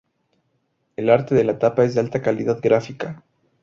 El arte de la tapa es de alta calidad gráfica.